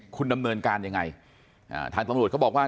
คุณดำเนินการยังไงทางตำรวจเขาบอกว่า